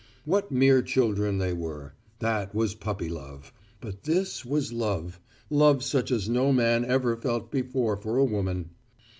What mere children they were. That was puppy love, but this was love; love such as no man ever felt before for a woman.